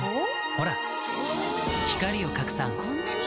ほら光を拡散こんなに！